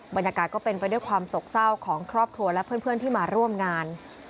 บรรยากาศก็เป็นไปด้วยความโศกเศร้าของครอบครัวและเพื่อนที่มาร่วมงาน